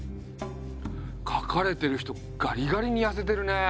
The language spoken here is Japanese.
かかれてる人ガリガリにやせてるね。